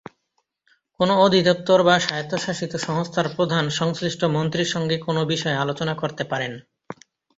কোনো অধিদপ্তর বা স্বায়ত্তশাসিত সংস্থার প্রধান সংশ্লিষ্ট মন্ত্রীর সঙ্গে কোনো বিষয়ে আলোচনা করতে পারেন।